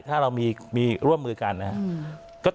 ถ้าเรามีร่วมมือกันนะครับ